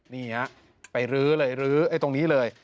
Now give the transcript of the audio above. นี่ไปรื้อเลยตรงนี้เลย